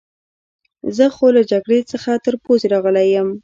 زه خو له جګړې څخه تر پوزې راغلی یم.